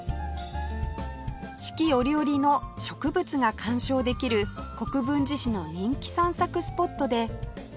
四季折々の植物が観賞できる国分寺市の人気散策スポットで